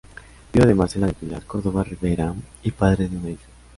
Viudo de Marcela del Pilar Córdova Rivera y padre de una hija.